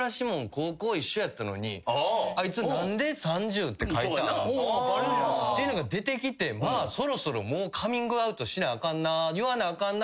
高校一緒やったのにあいつ何で３０って」っていうのが出てきてそろそろもうカミングアウトしなあかんな言わなあかんな